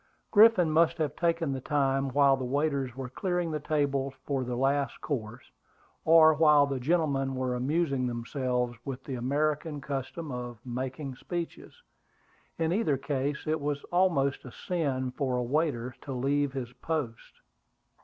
Griffin must have taken the time while the waiters were clearing the tables for the last course, or while the gentlemen were amusing themselves with the American custom of making speeches. In either case, it was almost a sin for a waiter to leave his post.